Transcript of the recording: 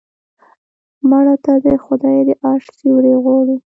مړه ته د خدای د عرش سیوری غواړو